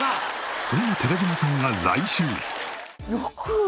そんな寺島さんが来週。